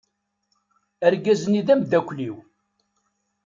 Argaz-nni d ameddakel-iw.